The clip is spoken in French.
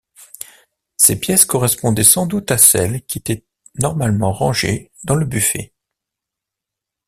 Ces pièces correspondait sans doute à celles qui étaient normalement rangées dans le buffet.